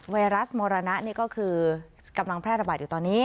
ไวรัสมรณะนี่ก็คือกำลังแพร่ระบาดอยู่ตอนนี้